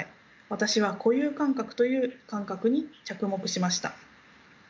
私は固有感覚という感覚に着目しました。